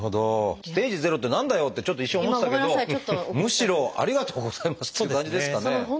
ステージ０って何だよ！ってちょっと一瞬思ってたけどむしろありがとうございますっていう感じですかね。